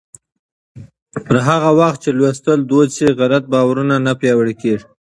پر هغه وخت چې لوستل دود شي، غلط باورونه نه پیاوړي کېږي.